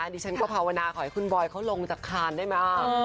ดิฉันก็ภาวนาขอให้คุณบอยเขาลงจากคานได้ไหม